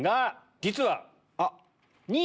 実は。